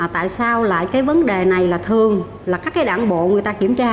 tại sao lại cái vấn đề này là thường là các cái đảng bộ người ta kiểm tra